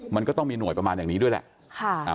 มันก็ต้องมีหน่วยประมาณอย่างนี้ด้วยแหละ